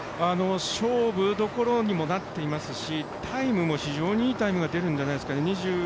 勝負所にもなっていますしタイムも非常にいいタイムが出るんじゃないでしょうか。